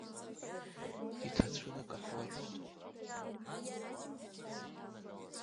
Иҭацәын акаҳуажәырҭа.